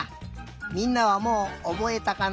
みんなはもうおぼえたかな？